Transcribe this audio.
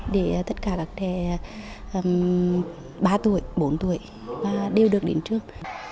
để tất cả đặc đề ba tuổi bốn tuổi đều được đến trường